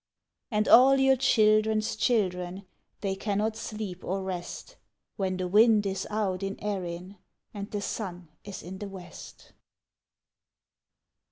And all your children's children, They cannot sleep or rest, When the wind is out in Erin And the sun is in the West.